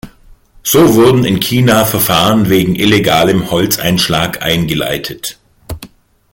So wurden in China Verfahren wegen illegalem Holzeinschlag eingeleitet.